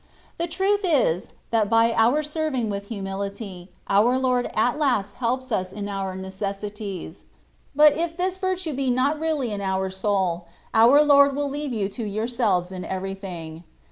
The truth is, that by our serving with humility, our Lord at last helps us in our necessities ; but if this virtue be not really in our soul, our Lord will leave you to your selves ih everything.